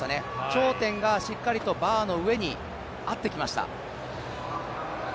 頂点がしっかりとバーの上に合ってきました。